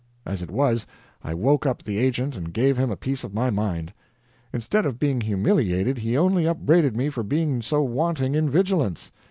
As it was, I woke up the agent and gave him a piece of my mind. Instead of being humiliated, he only upbraided me for being so wanting in vigilance.